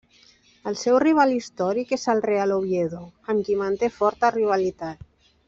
El seu rival històric és el Real Oviedo, amb qui manté forta rivalitat.